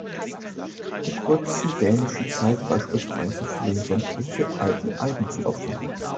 Der kurzen dänischen Zeit beispielsweise fielen sämtliche alten Eiben zum Opfer.